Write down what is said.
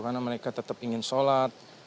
karena mereka tetap ingin sholat